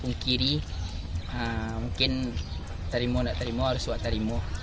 pungkiri mungkin terimu atau tidak terimu harus suat terimu